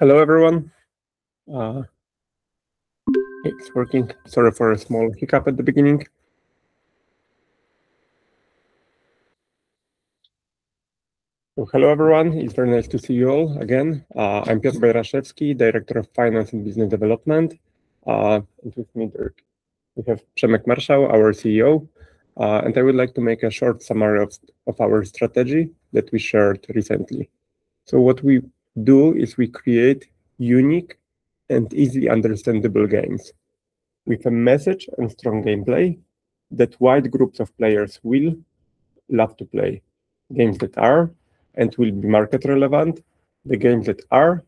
Hello, everyone. It's working. Sorry for a small hiccup at the beginning. Hello, everyone. It's very nice to see you all again. I'm Piotr Bajraszewski, Director of Finance and Business Development. With me, we have Przemek Marszał, our CEO. I would like to make a short summary of our strategy that we shared recently. What we do is we create unique and easily understandable games with a message and strong gameplay that wide groups of players will love to play. Games that are and will be market relevant, the games that are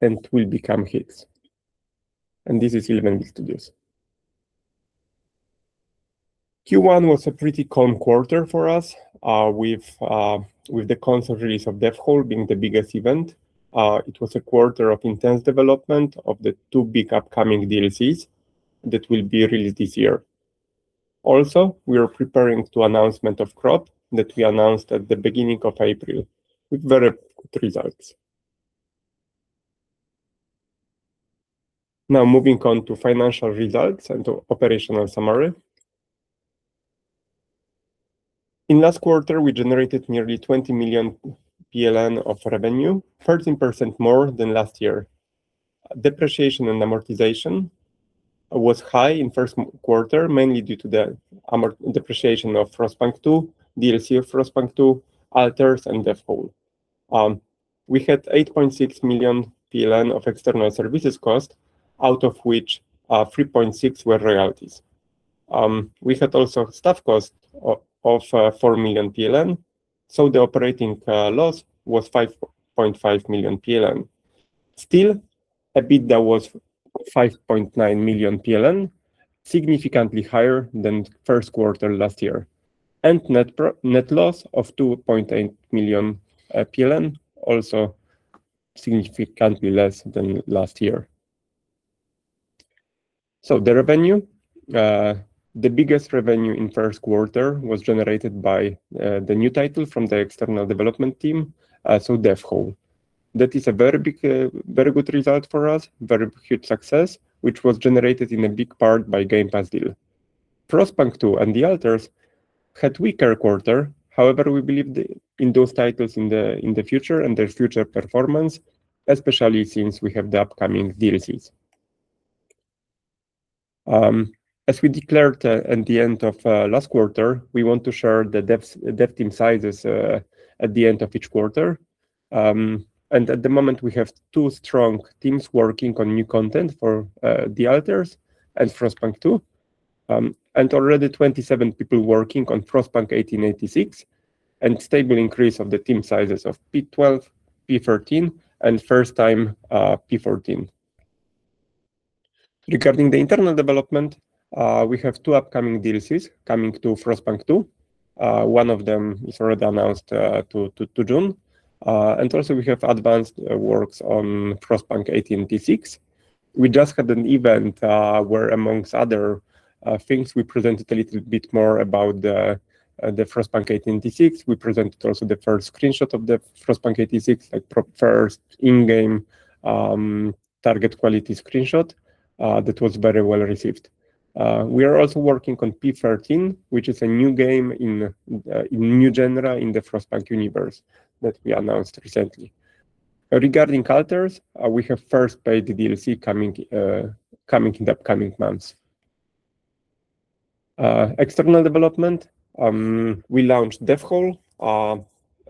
and will become hits. This is 11 bit studios. Q1 was a pretty calm quarter for us, with the console release of Death Howl being the biggest event. It was a quarter of intense development of the two big upcoming DLCs that will be released this year. We are preparing to announce Crop that we announced at the beginning of April with very good results. Moving on to financial results and operational summary. In last quarter, we generated nearly 20 million PLN of revenue, 13% more than last year. Depreciation and amortization was high in first quarter, mainly due to the depreciation of Frostpunk 2, DLC of Frostpunk 2, The Alters, and Death Howl. We had 8.6 million PLN of external services cost, out of which 3.6 million were royalties. We had also staff cost of 4 million PLN, the operating loss was 5.5 million PLN. EBITDA was 5.9 million PLN, significantly higher than first quarter last year, and net loss of 2.8 million PLN, also significantly less than last year. The revenue. The biggest revenue in first quarter was generated by the new title from the external development team, Death Howl. That is a very good result for us, very huge success, which was generated in a big part by Game Pass deal. Frostpunk 2 and The Alters had weaker quarter. We believe in those titles in the future and their future performance, especially since we have the upcoming DLCs. As we declared at the end of last quarter, we want to share the dev team sizes at the end of each quarter. At the moment, we have two strong teams working on new content for The Alters and Frostpunk 2, and already 27 people working on Frostpunk 1886, and stable increase of the team sizes of P12, P13, and first time, P14. Regarding the internal development, we have two upcoming DLCs coming to Frostpunk 2. One of them is already announced to June. Also, we have advanced works on Frostpunk 1886. We just had an event where, amongst other things, we presented a little bit more about the Frostpunk 1886. We presented also the first screenshot of the Frostpunk 1886, like first in-game target quality screenshot that was very well received. We are also working on P13, which is a new game in new genre in the Frostpunk universe that we announced recently. Regarding The Alters, we have first paid DLC coming in the upcoming months. External development. We launched Death Howl.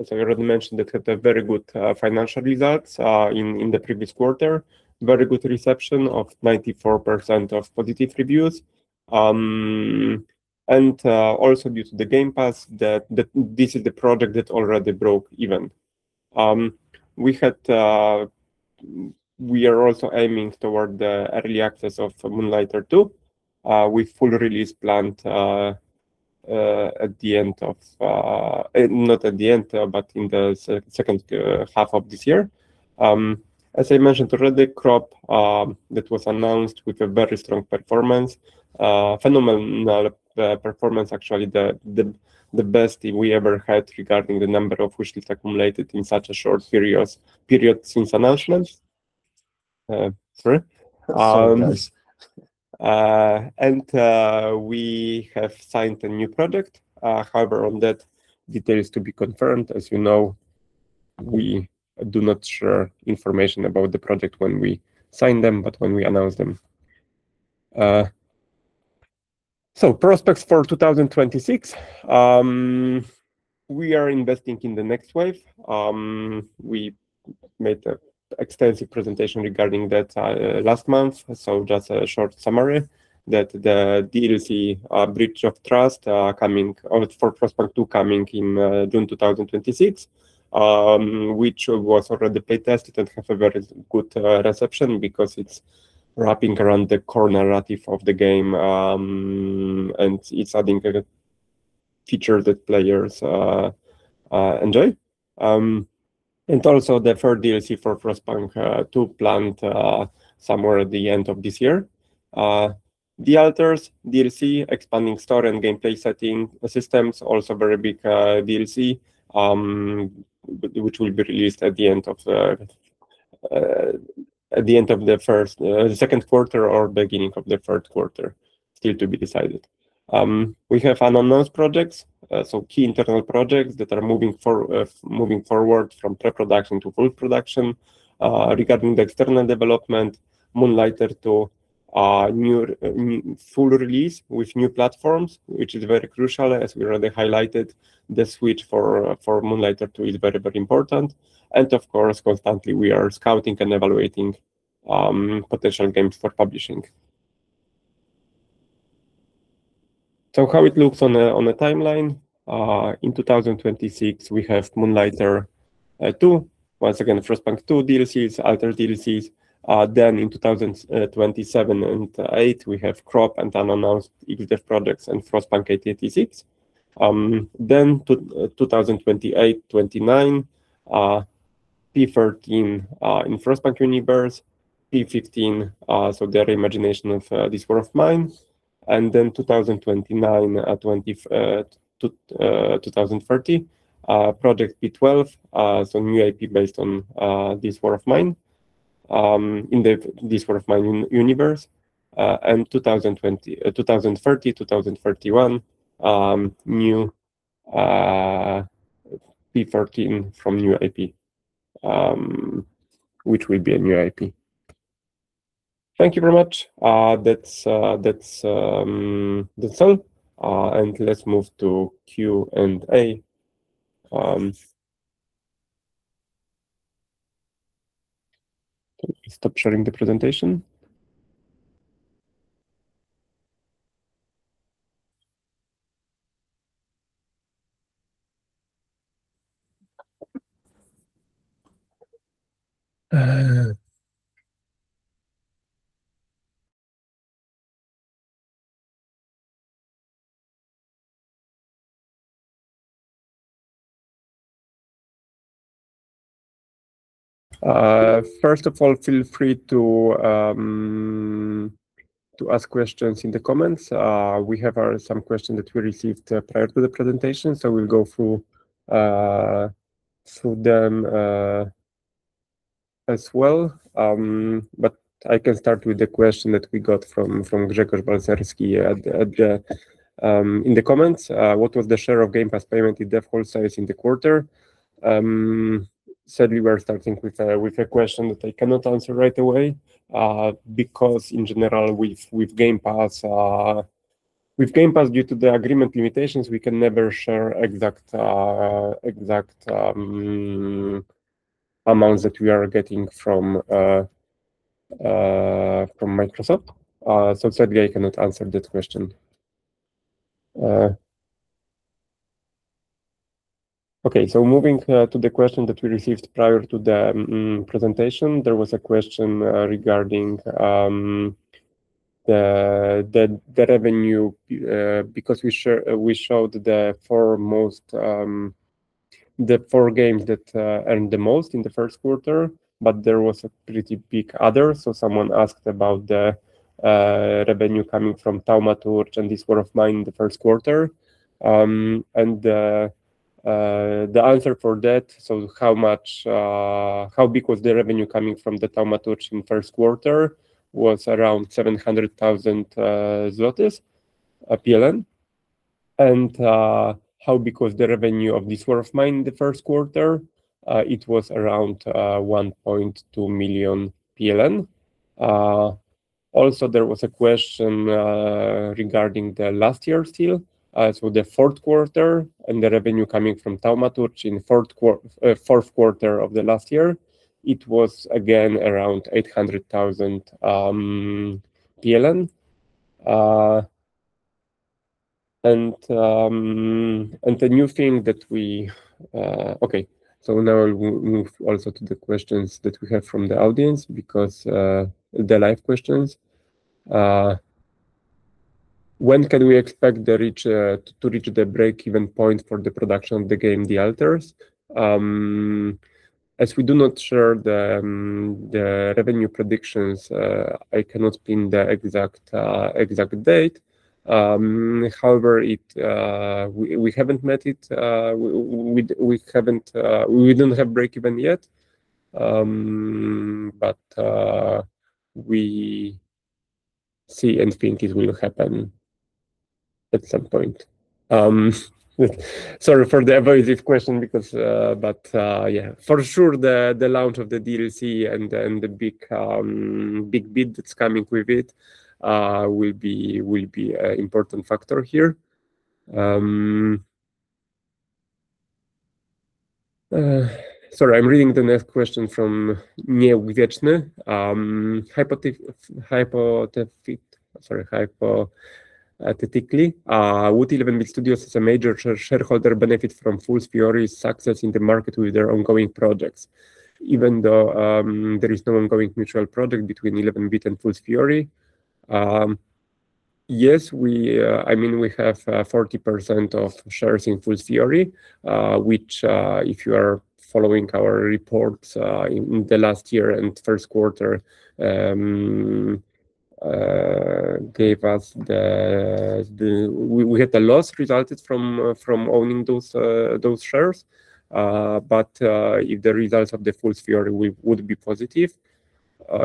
As I already mentioned, that had very good financial results in the previous quarter. Very good reception of 94% of positive reviews. Also due to the Game Pass, this is the product that already broke even. We are also aiming toward the early access of Moonlighter 2, with full release planned in the second half of this year. As I mentioned already, "Crop", that was announced with a very strong performance. Phenomenal performance, actually, the best we ever had regarding the number of wishlist accumulated in such a short period since announcement. Sorry. Sorry, guys. We have signed a new project. However, on that, details to be confirmed. As you know, we do not share information about the project when we sign them, but when we announce them. Prospects for 2026. We are investing in the Next Wave. We made an extensive presentation regarding that last month, just a short summary that the DLC "Breach of Trust" for "Frostpunk 2" coming in June 2026, which was already playtested and have a very good reception because it's wrapping around the core narrative of the game, and it's adding a feature that players enjoy. Also the third DLC for Frostpunk 2 planned somewhere at the end of this year. The Alters DLC, expanding story and gameplay setting systems, also a very big DLC, which will be released at the end of the second quarter or beginning of the third quarter. Still to be decided. We have unannounced projects, so key internal projects that are moving forward from pre-production to full production. Regarding the external development, Moonlighter 2, full release with new platforms, which is very crucial. As we already highlighted, the switch for Moonlighter 2 is very important, and of course, constantly, we are scouting and evaluating potential games for publishing. How it looks on a timeline. In 2026, we have Moonlighter 2, once again, Frostpunk 2 DLCs, Alters DLCs. In 2027 and 2028, we have Crop and unannounced indie dev projects and Frostpunk 1886. 2028, 2029, P13 in Frostpunk universe, P15, so the reimagining of This War of Mine, 2029, 2030, project P12, so new IP based on This War of Mine universe. 2030, 2031, new P13 from new IP, which will be a new IP. Thank you very much. That's all, and let's move to Q&A. Can you stop sharing the presentation? First of all, feel free to ask questions in the comments. We have some questions that we received prior to the presentation, so we'll go through them as well. I can start with the question that we got from Grzegorz Balcerski in the comments. What was the share of Game Pass payment in dev wholesale in the quarter? Sadly, we're starting with a question that I cannot answer right away, because in general, with Game Pass, due to the agreement limitations, we can never share exact amounts that we are getting from Microsoft. Sadly, I cannot answer that question. Moving to the question that we received prior to the presentation, there was a question regarding the revenue, because we showed the four games that earned the most in the first quarter, but there was a pretty big other, so someone asked about the revenue coming from Thaumaturge and This War of Mine in the first quarter. The answer for that, so how big was the revenue coming from The Thaumaturge in first quarter, was around 700,000 zlotys. How big was the revenue of This War of Mine in the first quarter? It was around 1.2 million PLN. Also, there was a question regarding the last year still, so the fourth quarter and the revenue coming from The Thaumaturge in fourth quarter of the last year, it was again around 800,000 PLN. Now I will move also to the questions that we have from the audience, the live questions. When can we expect to reach the break-even point for the production of the game, The Alters? As we do not share the revenue predictions, I cannot pin the exact date. However, we don't have break-even yet, but we see and think it will happen at some point. Sorry for the evasive question. For sure, the launch of the DLC and the big bit that's coming with it will be an important factor here. Sorry, I'm reading the next question from [Nieubwieczny]. Hypothetically, would 11 bit studios as a major shareholder benefit from Fool's Theory success in the market with their ongoing projects? Even though there is no ongoing mutual project between 11 bit and Fool's Theory? Yes, we have 40% of shares in Fool's Theory, which, if you are following our reports, in the last year and first quarter, we had a loss resulted from owning those shares. If the results of Fool's Theory would be positive,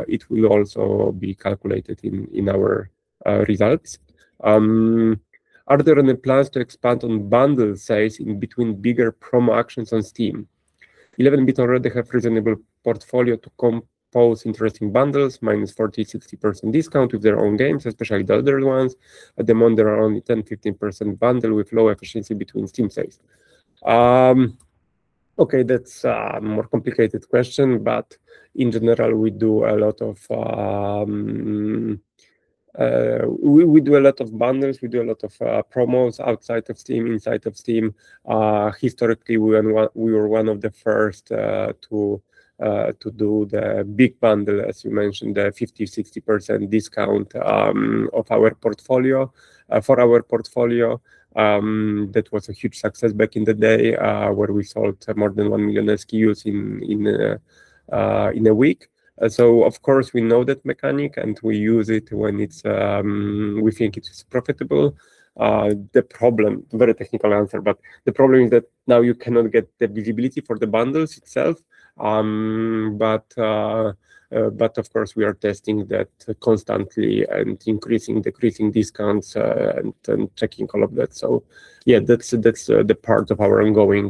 it will also be calculated in our results. Are there any plans to expand on bundle sales in between bigger promo actions on Steam? 11 bit already have reasonable portfolio to compose interesting bundles, -40%, -60% discount with their own games, especially the older ones. At the moment, there are only 10%, 15% bundle with low efficiency between Steam sales." Okay, that's a more complicated question, but in general, we do a lot of bundles. We do a lot of promos outside of Steam, inside of Steam. Historically, we were one of the first to do the big bundle, as you mentioned, the 50%, 60% discount for our portfolio. That was a huge success back in the day, where we sold more than 1 million SKUs in a week. Of course, we know that mechanic, and we use it when we think it is profitable. Very technical answer, but the problem is that now you cannot get the visibility for the bundles itself. Of course, we are testing that constantly and increasing, decreasing discounts, and checking all of that. Yeah, that's the part of our ongoing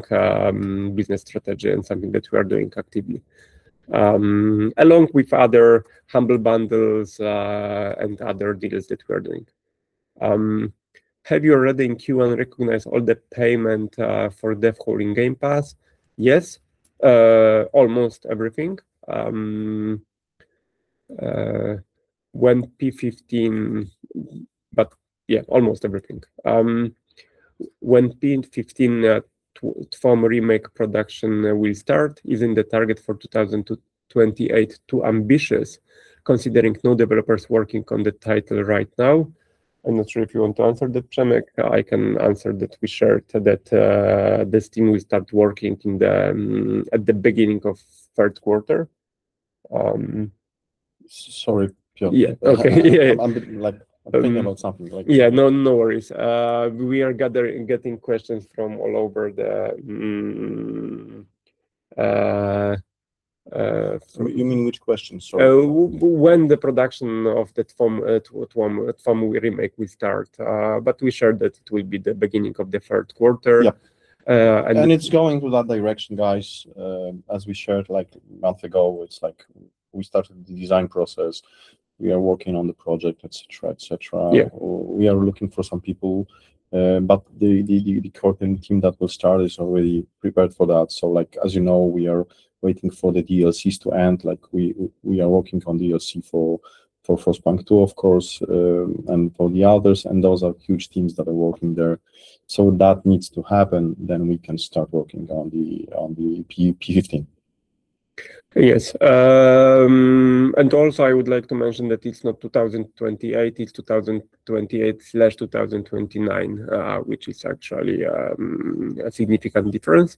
business strategy and something that we are doing actively, along with other humble bundles and other deals that we are doing. "Have you already in Q1 recognized all the payment for dev calling Game Pass?" Yes, almost everything. Yeah, almost everything. "When P15 TWoM remake production will start? Isn't the target for 2028 too ambitious considering no developers working on the title right now?" I'm not sure if you want to answer that, Przemysław. I can answer that. We shared that this team will start working at the beginning of third quarter. Sorry, Piotr. Yeah. Okay. I'm thinking about something. Yeah. No worries. We are getting questions from all over the. You mean which question? Sorry. When the production of that TWoM remake will start. We shared that it will be the beginning of the third quarter. Yeah. It's going to that direction, guys. As we shared a month ago, we started the design process. We are working on the project, et cetera. Yeah. We are looking for some people. The core team that will start is already prepared for that. As you know, we are waiting for the DLCs to end. We are working on DLC for Frostpunk 2, of course, for the others, and those are huge teams that are working there. That needs to happen, we can start working on the P15. Yes. Also, I would like to mention that it's not 2028, it's 2028/2029, which is actually a significant difference.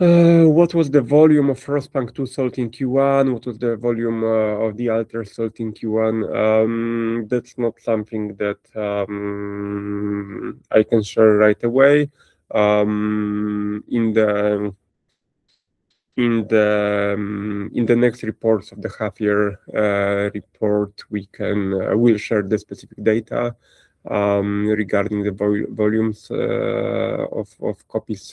"What was the volume of Frostpunk 2 sold in Q1? What was the volume of the other sold in Q1?" That's not something that I can share right away. In the next report, the half-year report, we'll share the specific data regarding the volumes of copies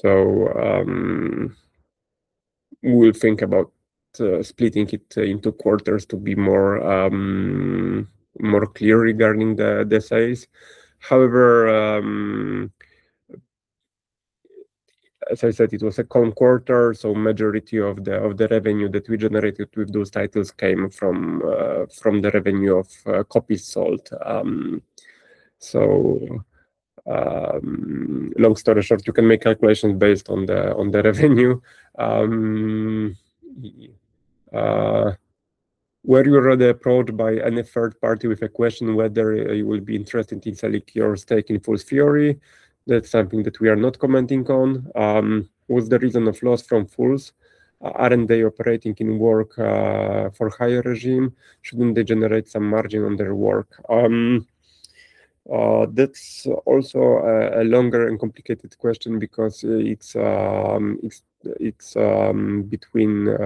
sold. We'll think about splitting it into quarters to be more clear regarding the size. However, as I said, it was a calm quarter, so majority of the revenue that we generated with those titles came from the revenue of copies sold. Long story short, you can make calculations based on the revenue. Were you already approached by any third party with a question whether you will be interested in selling your stake in Fool's Theory?" That's something that we are not commenting on. "What's the reason of loss from Fool's? Aren't they operating in work for hire regime? Shouldn't they generate some margin on their work?" That's also a longer and complicated question because it's between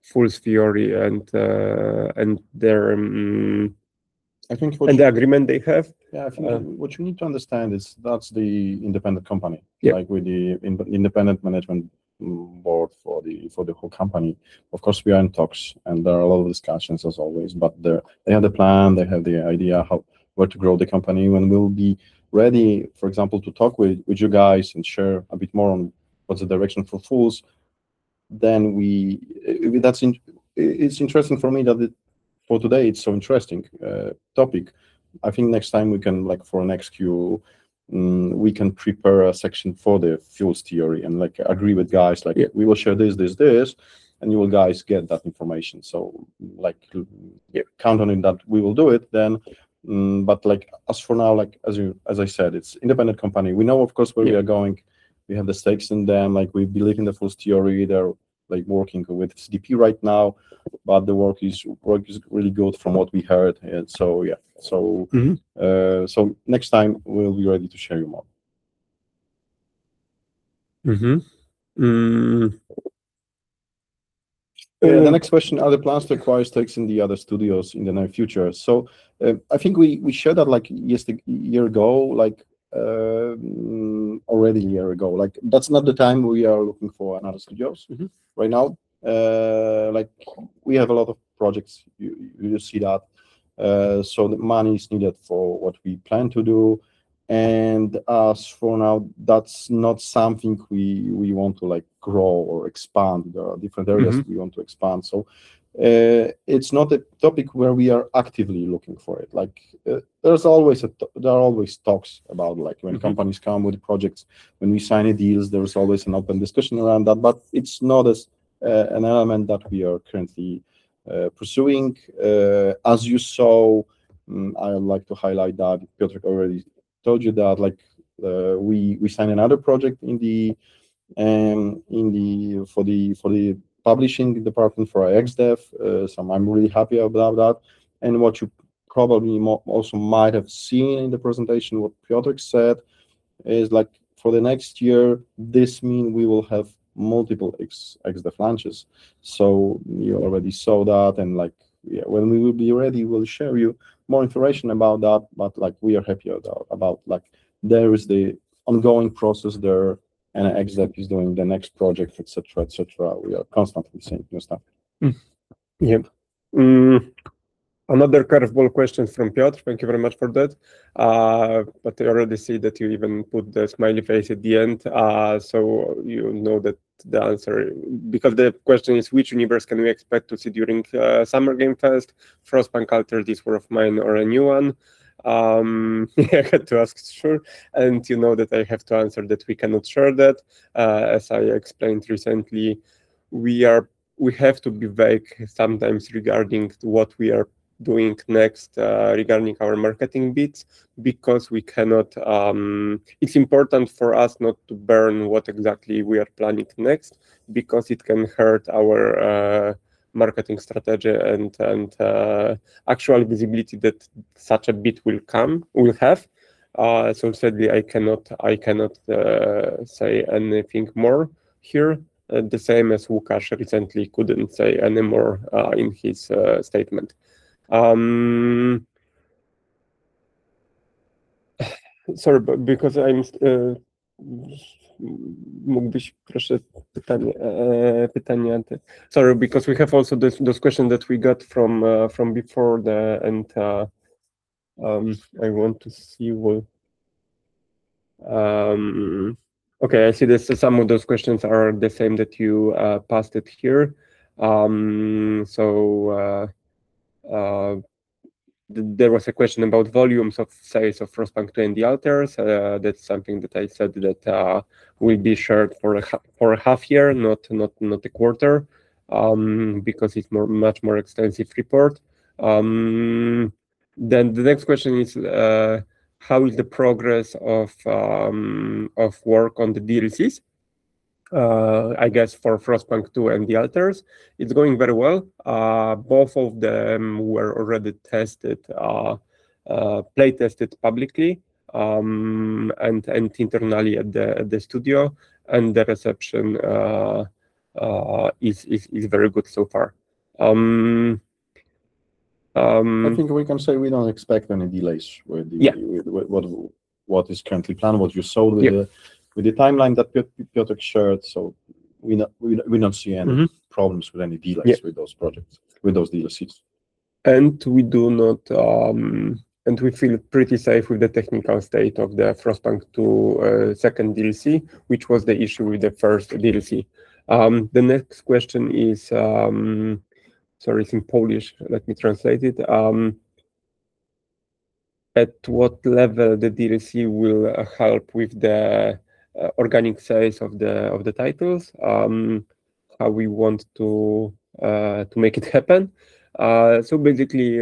Fool's Theory and the agreement they have. Yeah. I think what you need to understand is that's the independent company. Yeah. With the independent management board for the whole company. Of course, we are in talks, and there are a lot of discussions as always, but they have the plan, they have the idea where to grow the company. When we'll be ready, for example, to talk with you guys and share a bit more on what's the direction for Fool's, then it's interesting for me that for today, it's so interesting topic. I think next time we can, for our next queue, we can prepare a section for the Fool's Theory and agree with guys. We will share this and you will, guys, get that information. Count on it that we will do it then. As for now, as I said, it's independent company. We know, of course, where we are going. We have the stakes in them. We believe in the Fool's Theory. They're working with CDP right now, but the work is really good from what we heard. Next time, we'll be ready to share you more. The next question, "Are there plans to acquire stakes in the other studios in the near future?" I think we shared that a year ago, already a year ago. That's not the time we are looking for another studios right now. We have a lot of projects. You just see that. The money is needed for what we plan to do. As for now, that's not something we want to grow or expand. There are different areas we want to expand. It's not a topic where we are actively looking for it. There are always talks about when companies come with projects, when we sign deals, there is always an open discussion around that, but it's not an element that we are currently pursuing. As you saw, I would like to highlight that Piotr already told you that we signed another project for the publishing department for our ex-dev. I'm really happy about that. What you probably also might have seen in the presentation, what Piotr said is for the next year, this mean we will have multiple ex-dev launches. You already saw that and when we will be ready, we'll share you more information about that. We are happy about there is the ongoing process there and ex-dev is doing the next project, et cetera. We are constantly seeing new stuff. Yep. Another curveball question from Piotr. Thank you very much for that. I already see that you even put the smiley face at the end, so you know that the answer. The question is, "Which universe can we expect to see during Summer Game Fest? 'Frostpunk,' 'The Alters,' 'This War of Mine,' or a new one?" I had to ask, sure. You know that I have to answer that we cannot share that. As I explained recently, we have to be vague sometimes regarding what we are doing next, regarding our marketing bits, because it's important for us not to burn what exactly we are planning next because it can hurt our marketing strategy and actual visibility that such a bit will have. Sadly, I cannot say anything more here, the same as Łukasz recently couldn't say any more in his statement. Sorry, we have also this question that we got from before. I want to see. I see this. Some of those questions are the same that you posted here. There was a question about volumes of sales of Frostpunk 2 and The Alters. That's something that I said that will be shared for a half year, not a quarter, because it's much more extensive report. The next question is, "How is the progress of work on the DLCs?" I guess for Frostpunk 2 and The Alters. It's going very well. Both of them were already play tested publicly, and internally at the studio, and the reception is very good so far. I think we can say we don't expect any delays. Yeah with what is currently planned, what you saw. Yeah with the timeline that Piotr shared. We not see any problems with any delays with those DLCs. We feel pretty safe with the technical state of the Frostpunk 2 second DLC, which was the issue with the first DLC. The next question is, sorry, it's in Polish. Let me translate it. At what level the DLC will help with the organic sales of the titles? How we want to make it happen? Basically,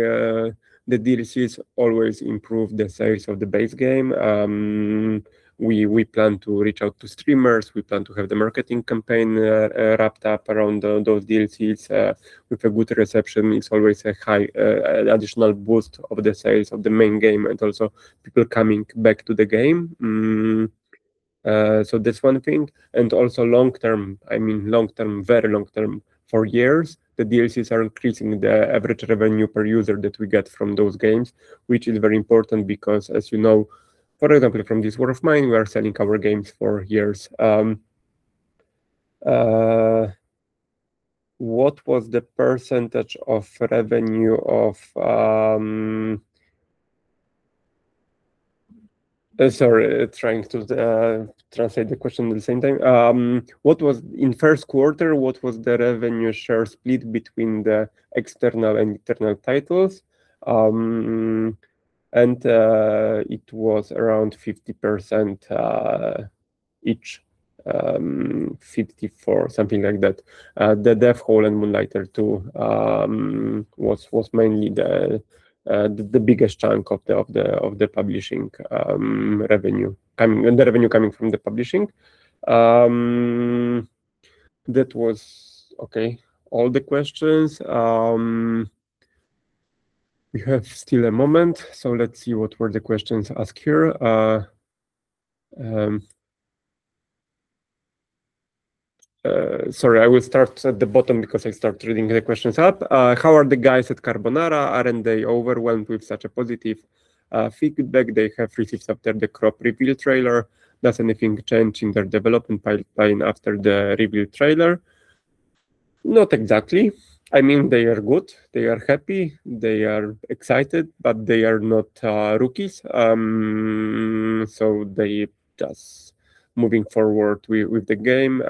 the DLCs always improve the sales of the base game. We plan to reach out to streamers. We plan to have the marketing campaign wrapped up around those DLCs. With a good reception, it's always an additional boost of the sales of the main game and also people coming back to the game. That's one thing. Also long-term, I mean very long-term, for years, the DLCs are increasing the average revenue per user that we get from those games, which is very important because as you know, for example, from "This War of Mine," we are selling our games for years. What was the percentage of revenue? Sorry, trying to translate the question at the same time. In first quarter, what was the revenue share split between the external and internal titles? It was around 50% each, 54, something like that. "Death Howl" and "Moonlighter 2" was mainly the biggest chunk of the publishing revenue, the revenue coming from the publishing. That was okay. All the questions. We have still a moment, let's see, what were the questions asked here? Sorry, I will start at the bottom because I start reading the questions up. How are the guys at Carbonara? Aren't they overwhelmed with such a positive feedback they have received after the 'Crop' reveal trailer? Does anything change in their development pipeline after the reveal trailer? Not exactly. They are good, they are happy, they are excited, but they are not rookies, so they're just moving forward with the game.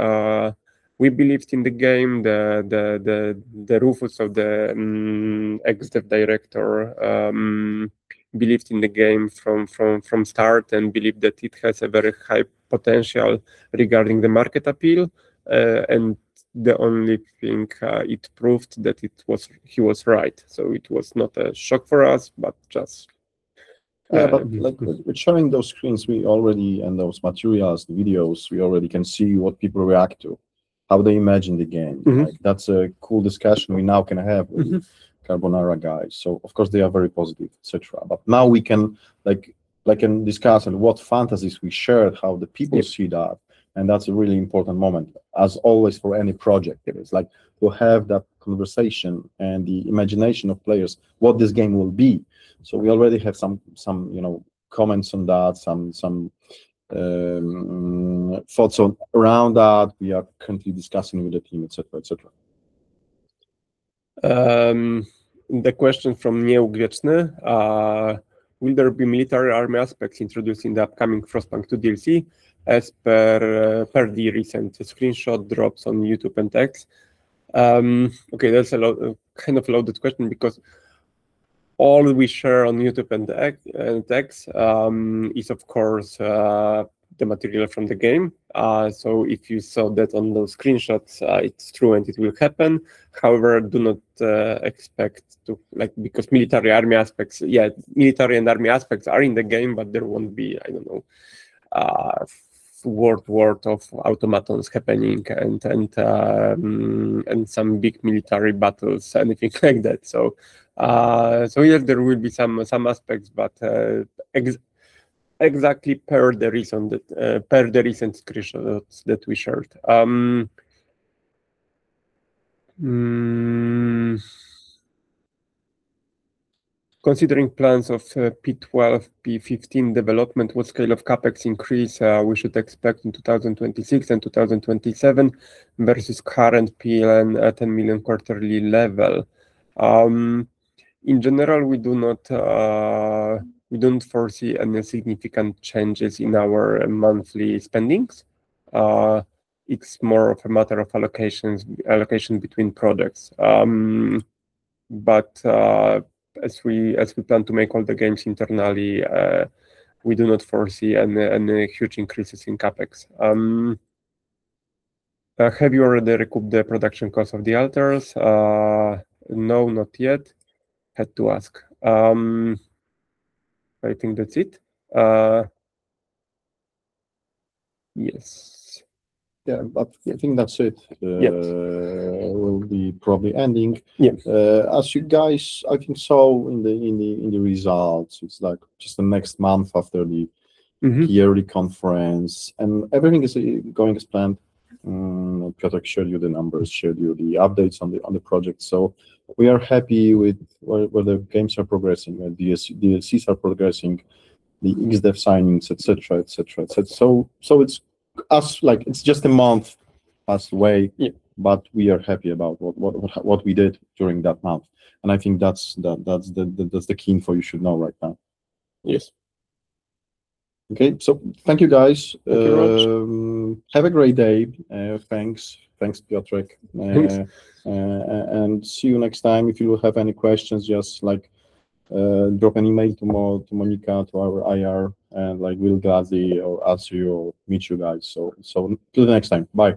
We believed in the game. The Rufus of the ex-dev director believed in the game from start and believed that it has a very high potential regarding the market appeal. The only thing it proved that he was right. It was not a shock for us. With showing those screens and those materials, the videos, we already can see what people react to, how they imagine the game. That's a cool discussion we now can have. with Carbonara guys. Of course, they are very positive, et cetera, but now we can discuss what fantasies we share, how the people. Of course. See that. That's a really important moment, as always, for any project. It is like to have that conversation and the imagination of players what this game will be. We already have some comments on that, some thoughts around that we are currently discussing with the team, et cetera. The question from [Nieugrypsny], "Will there be military army aspects introduced in the upcoming 'Frostpunk 2' DLC as per the recent screenshot drops on YouTube and X?" That's a kind of loaded question because all we share on YouTube and X is, of course, the material from the game. If you saw that on those screenshots, it's true, and it will happen. However, do not expect. Military and army aspects are in the game, but there won't be, I don't know, world war of automatons happening and some big military battles or anything like that. Yeah, there will be some aspects, but exactly per the recent screenshots that we shared. Considering plans of P12, P15 development, what scale of CapEx increase we should expect in 2026 and 2027 versus current PLN at 10 million PLN quarterly level? In general, we don't foresee any significant changes in our monthly spendings. It's more of a matter of allocation between products. As we plan to make all the games internally, we do not foresee any huge increases in CapEx. Have you already recouped the production cost of The Alters? No, not yet. Had to ask. I think that's it. Yes. Yeah. I think that's it. Yes. We'll be probably ending. Yes. As you guys, I think, saw in the results, it's just the next month after. yearly conference. Everything is going as planned. Piotr showed you the numbers, showed you the updates on the project. We are happy with where the games are progressing, where the DLCs are progressing, the ex-dev signings, et cetera. It's just a month passed away. Yeah We are happy about what we did during that month, and I think that's the key info you should know right now. Yes. Okay. Thank you, guys. Thank you very much. Have a great day. Thanks. Thanks, Piotr. Please. See you next time. If you have any questions, just drop an email to Monika, to our IR, and we'll grab thee or ask you or meet you guys. Till the next time. Bye.